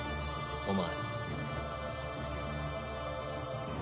お前。